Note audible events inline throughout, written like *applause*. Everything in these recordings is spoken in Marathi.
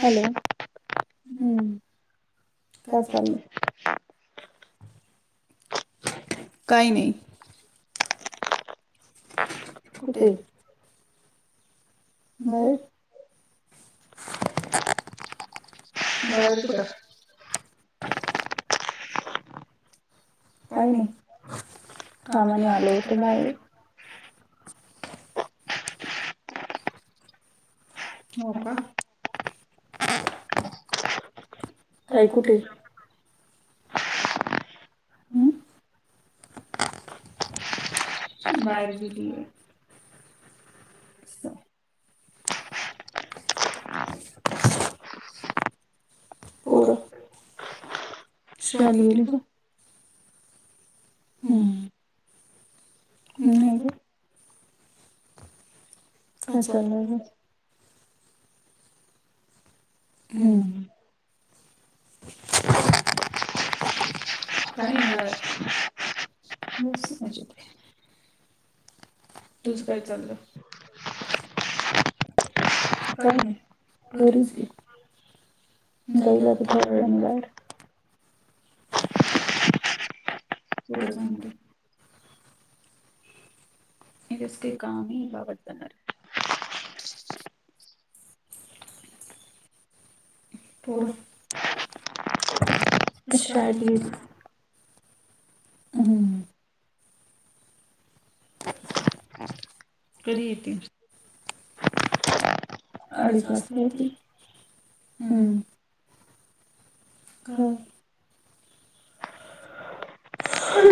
हॅलो, हम्म. काय चाललंय? काही नाही. कुठे? बाहेर बाहेर कुठं? *inaudible* काही नाही. कामाने आलो होतो डायरेक्ट. हो का? काय कुठे? हम बाहेर गीलीेए. असं पोरं, शाळेला गेली का? हम्म नाही गं. खर्च *unintelligible* हम्म *inaudible* काही नाही गळ्यात, मस्त मजेत तुझ काय चाललंय? काय नाही, बरीचए. जाईल आता थोड्या वेळाने बाहेर कुठ जाणारे? नई तस काम नई गावात जाणार पोरं, अच्छा हम्म कधी येतील? अडिच वाजता येतील. हम्म. का? हा.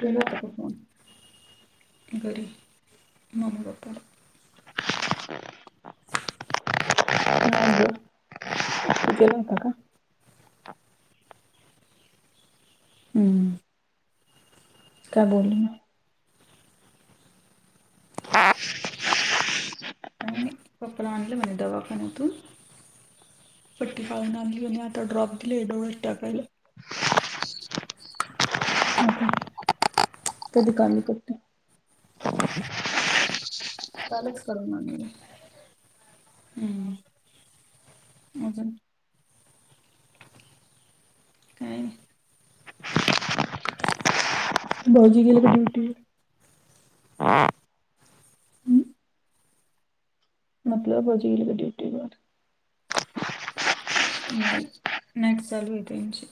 केला होता का फोन? घरी मम्मी पप्पाला नाही ग. तू केला होता का? हम्म काय बोलली मग? *inaudible* आणि पप्पाला आणले म्हणे दवाखान्यातून. पट्टी काढून आणली आता ड्रॉप दिलेत डोळ्यात टाकायला. अ. कधी पाणी पित नाही. कालच करणार मी. हम्म अजून. काय. भाजी केली का आमठी. *unintelligible* मतलब झील गडी *inaudible* नाईट नाईट चालू आहे त्यांची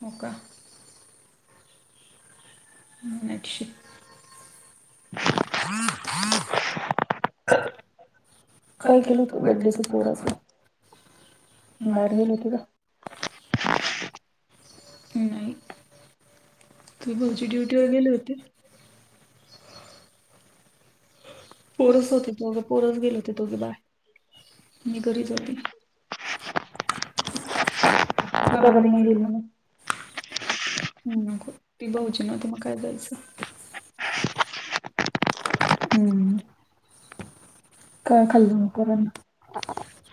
हो का. अच्छा. *unintelligible* काय केलं होत बड्डेच पोराचं. बढे ला. नाही तुये भाऊजी ड्युटी वर गेले होते. पोरच होती दोघ पोरच गेले होते दोघे बाय मी घरीच होती. अताण घेन. *inaudible* ह नको ती भाऊजी नव्हती मग काय जायचं. *inaudible* हम्म काय खाल नकना *inaudible* *inaudible*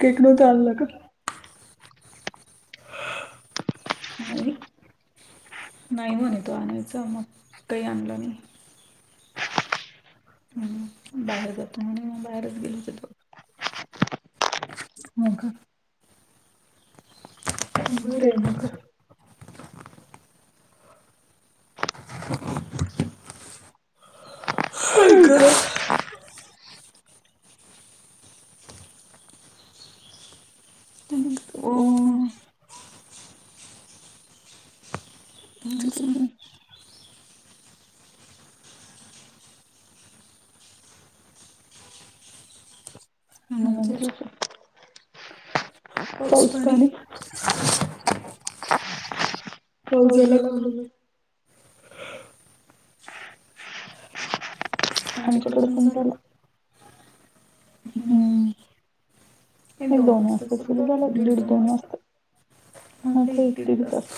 केक नव्हतं आणलं का नाही नाही म्हणे य तो आणायचा मग काही आणलं नाही. हम बाहेर जातो आणि मग बाहेरच गेल तर तो. हो का. बरे. *unintelligible* आई ग हो म्हणज. पाऊस पाणी. पाऊस झाला काल. आमच्याकडे पण झालं. हम्म हे दोन वाजता सुरू झालं दीड दोन वाजता. हा एक दीड तास.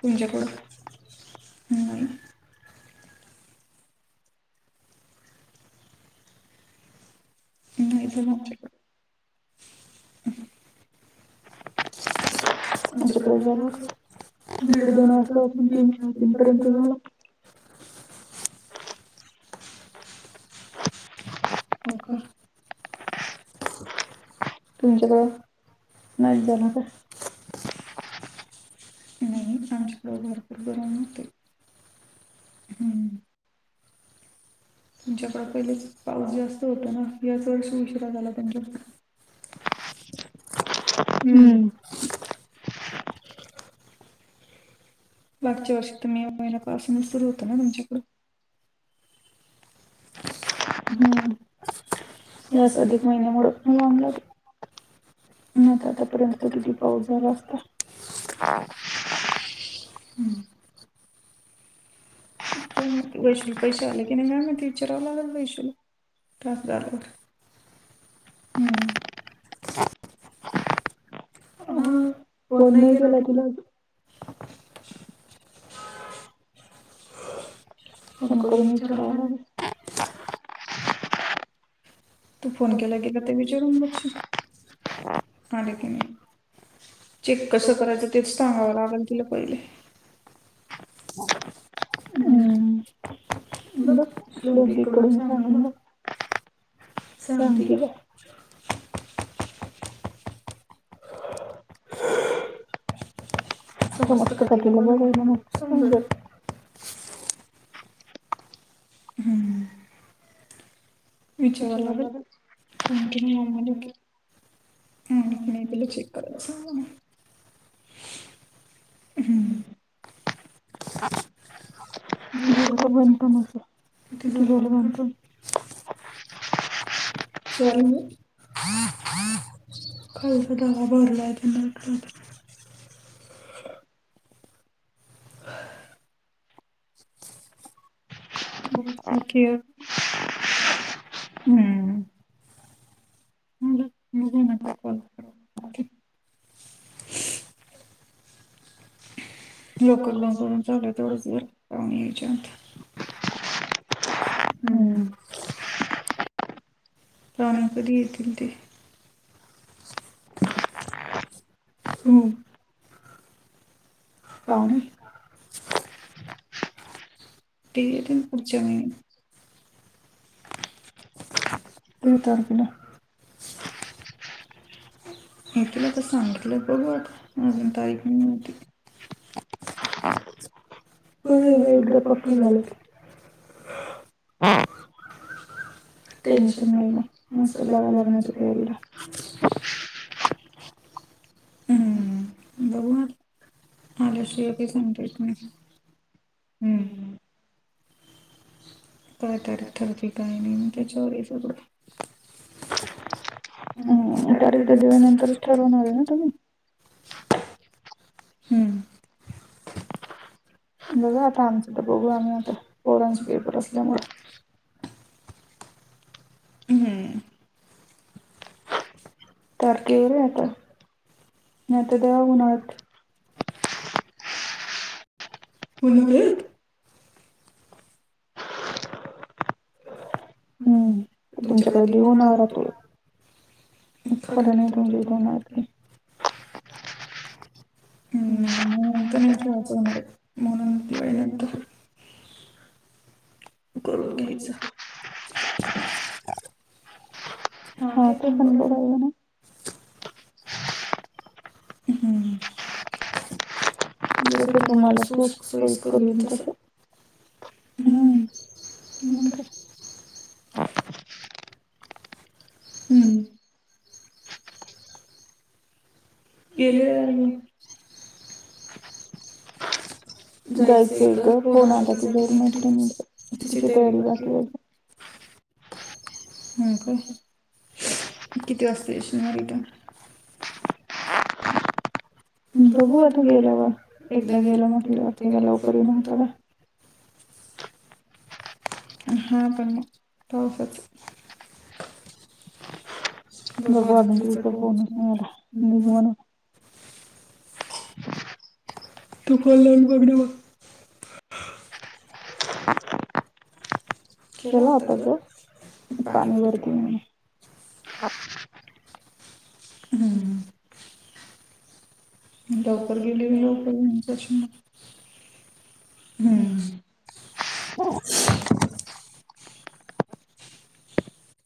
तुमच्याकडं हम्म. *unintelligible* आच्याकय झाला दीड दोन वाजतापासून तीन सहा तीन पर्यंत झाला. *unintelligible* हो का तुमच्याकडं नाही झाला का. नाही आमच्याकडे भरपूर प्रमाणात. तुमच्याकडं पहिलेच पाऊस जास्त होतो ना याच वर्ष उशिरा झाला त्यांच्याकड. *unintelligible* हम्म मागच्या वर्षी तर मे महिन्यापासूनच सुरु होत ना तुमच्याकडून. हम्म जास अधिक महिन्या मु म ला आणला त. नाही तर आतापर्यंत तो किती पाऊस झाला असता. *unintelligible* वैशुला पैसे आले की नाही काय माहिती विचाराव लागलं वैशुला. टासदारवर हम्म. *inaudible* हं. फोन नाही केला तिला अजु - - फोन करून विचारव लागलं. तू फोन केला गेला कि एकदा ते विचारून बघशिल आले की नाही. चेक कसं करायचं तेच सांगावं लागल तिला पहिले. हम् बघ छोटिकडुन सांगुन बघ. सांगती का? *inaudible* सजतय का तिला बोलायला समजल. हम्म. विचाराव लागलं. फोन केला मम्मीला कि. हम. नाही तिला चेक करायचा. हम्म. ब किती झालं म का *unintelligible* सॉरी हं. खालचा तलाव भरलाय कुणासठाऊक. *inaudible* ओ हम्म. म मजे नकी कॉल करे ओके. लोकलला सडून चालोय तेवढच पाहुण्याच्यात. हम्म. पाहुणे तरी येतील ते. हम्. पाहुणे. ते येतील पुढच्या महिन्यात. किती तारखेला. येतील आता सांगितलंय बघू आता अजून. *inaudible* हो ना एकदा पक्क झालं ते. हा. टेन्शन नाही ना. म स लाग्ण्याची तैयारीला. हम्म बघू आता. आल्याशिवाय काय सांगता येत नाही. कायतरी ठरतील काही-नाही त्याच्यावररीच हम् तारीख तर जवन नंतरच ठेवून *unintelligible* हम्म. बघा आता आमचं तर बघू आजुन तर पोरांच पेपर असल्यामुळे. हम्म. तारखेवर आहे आता. नाही आता उन्हाळ्यात आता. होणा रे. हम्म तुमच्याकडे घेऊन येणार तो. खरं नाही तुमज तो ना आपली. हम्म नंतर नाहीचच होणारे मोन दिवाळी नंतर. करून घ्यायचं. हा ते पण बरोबर हाय. हम्म. जसं तुम्हाला स सोयसकर होईल तस हम्. नंतर. हम्म. गेलेलो. जायचंय ग फोन आला की जाइन म्हणतो मी तिची तयारी बाकीय हाय आजुन. ह *unintelligible* ह काय किती वाजता यशील मग रिटर्न. बघू आता गेल्यावर एकदा गेलं म्हटलं बघती का लवकर येन होत का. हा पण पावसाच. भगवान कृपाच. तुकण लम गभडवा *unintelligible* *unintelligible* केला होता जो पाणी भरती म्ही. ह हम्म. लावकर गेले लवकर *inaudible* हम्म.